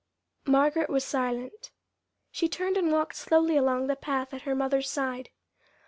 Margaret was silent. She turned and walked slowly along the path at her mother's side.